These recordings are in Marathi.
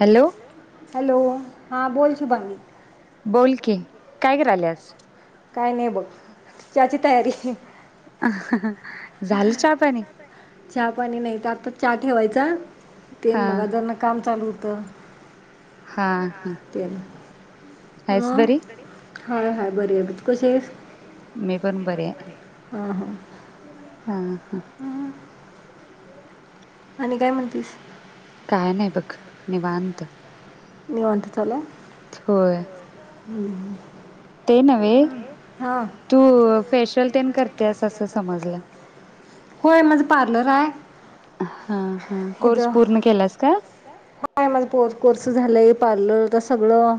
हॅलो हॅलो, हां बोल शुभांगी. बोल की, काय करायल्यास? काय नही बघ, चहाची तयारी. झालं चहा पाणी? चहा पाणी नाही तं आताच चहा ठेवायचा, ते हा मगाधरनं काम चालू होतं. हा-हं. मग? हाय-हाय बरी आहे बघ, तु कशी आहेस? मी पण बरी आहे. हं, हं. हा-, हं. आणि काय म्हणतीस? काय नाही बघ, निवांत. निवांत चालूय. होय. हम्म, हम्म. ते नव्हे, तू फेशल तेन करतेयस असं समजलं. होय माझं पार्लर आहे. हा, हा कोर्स इथं पूर्ण केलास काय? होय माझं पोर कोर्स झालंय पार्लरचं तर सगळं.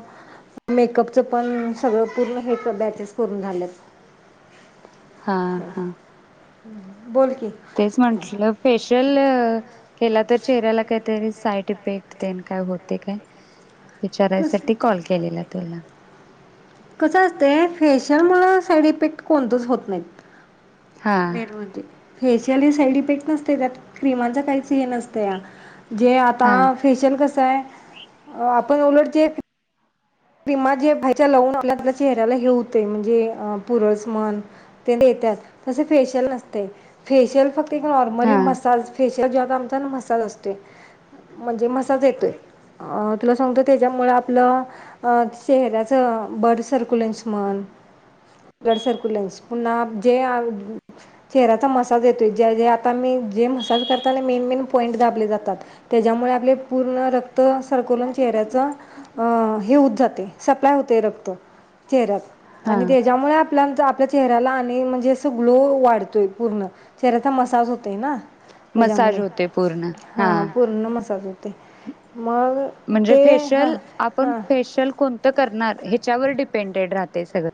मेकअपचं पण सगळं पूर्ण हे बॅचेस पूर्ण झाल्यात. हा हं, हा बोल की. तेच ते म्हटलं फेशियल अं केला तर, चेहऱ्याला काहीतरी साईड इफेक्ट तेन काय होते काय? काय विचारायसाठी त्यासाठी कॉल केलेला तुला. कसं असतय फेशियल मुळ साईड इफेक्ट कोणतच होत नाहीत हा मेन म्हणजे फेशियल हे साईड इफेक्ट नसते त्यात क्रीमांच काहीच हे नसत जे आता हा फेशियल कसय आपण उलटत जे क्रिमा जे बाहेरच्या लावून आपल्या चेहऱ्याला हे हूतय म्हणजे पुरस म्हण ते देत्यात तस फेशियल नसते फेशियल फक्त ते एक नॉर्मली हा मसाज फेशियल जॉब आमचा ना मसाज असतोय म्हणजे अ तुला सांगतो त्याच्यामुळे आपलं अ चेहऱ्याचं बड सर्क्युलेनश म्हण ब्लड सर्कु [inaudible] लनस पुन्हा जे चेहऱ्याचा मसाज येतोय ज्या जे आता आम्ही जे मसाज करताना मेन मेन पॉइंट दाबले जातात त्याच्यामुळे आपले पूर्ण रक्त सरकलून चेहऱ्याचं अ हे होत जाते सप्लाय होते रक्त चेऱ्यात आणि हा त्याच्यामुळे आप आपल्या आपल्या चेहऱ्याला आणि म्हणजे अस ग्लो वाढतोय पूर्ण चेहऱ्याचा मसाज होतय ना मसाज त्याच्यामुळे होते पूर्ण हा पूर्ण मसाज होते मग म्हणजे ते हां फेशियल आपण हां फेशियल कोणतं करणार ह्याच्यावर डिपेंडेड राहते सगळं